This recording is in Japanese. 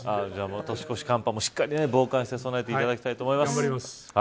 年越し寒波もしっかり防寒して備えていただきたいと思います。